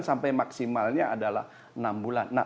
sampai maksimalnya adalah enam bulan